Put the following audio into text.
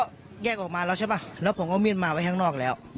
ไม่แย่งออกมาแล้วแล้วผมก็มิ้นมาไว้ข้างนอกแล้ว